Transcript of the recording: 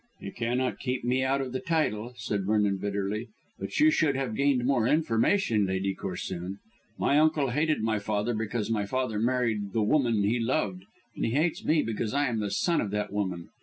"He cannot keep me out of the title," said Vernon bitterly, "but you should have gained more information, Lady Corsoon. My uncle hated my father because my father married the woman he loved, and he hates me because I am the son of that woman.